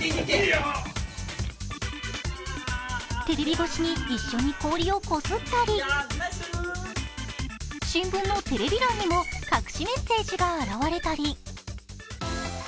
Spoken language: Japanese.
テレビ越しに一緒に氷をこすったり、新聞のテレビ欄にも隠しメッセージが現れたり。